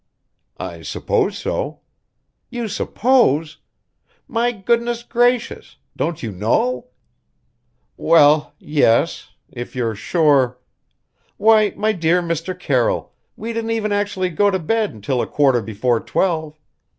"I suppose so." "You suppose? My goodness gracious! Don't you know?" "Well yes. If you're sure " "Why, my dear Mr. Carroll, we didn't even actually go to bed until a quarter before twelve.